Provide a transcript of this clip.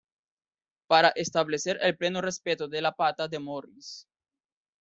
Para establecer el pleno respeto de la "pata" de Morris.